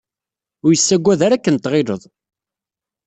Ur yessagad ara akk-n tɣileḍ.